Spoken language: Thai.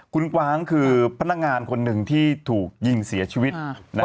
คุณกวางคือพนักงานคนหนึ่งที่ถูกยิงเสียชีวิต